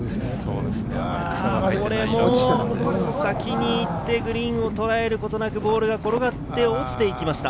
これも先に行ってグリーンを捉えることなく、ボールが転がって落ちていきました。